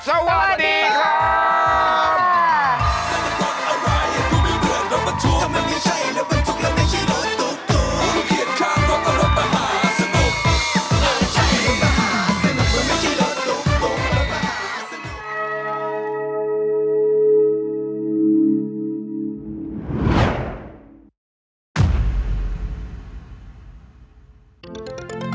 สวัสดีครับ